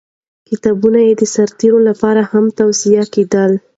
کتابونه یې د سرتېرو لپاره هم توصیه کېدل.